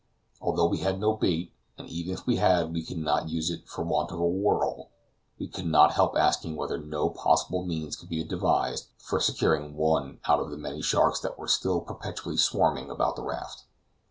Although we had no bait, and even if we had we could not use it for want of a whirl, we could not help asking whether no possible means could be devised for securing one out of the many sharks that were still perpetually swarming about the raft.